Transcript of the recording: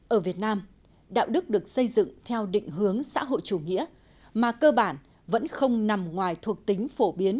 ở việt nam đạo đức được xây dựng theo định hướng xã hội chủ nghĩa mà cơ bản vẫn không nằm ngoài thuộc tính phổ biến